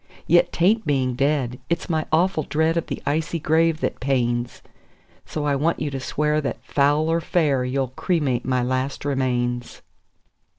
Yet 'tain't being dead it's my awful dread of the icy grave that pains; So I want you to swear that, foul or fair, you'll cremate my last remains."